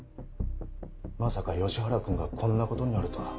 まさか吉原くんがこんな事になるとは。